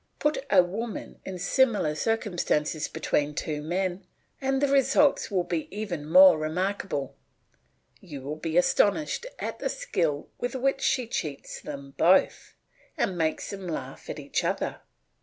But put a woman in similar circumstances between two men, and the results will be even more remarkable; you will be astonished at the skill with which she cheats them both, and makes them laugh at each other.